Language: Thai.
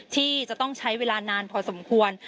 ที่จะต้องใช้เวลานานพอสมควร